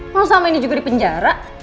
kau sama ini juga di penjara